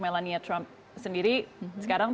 melania trump sendiri sekarang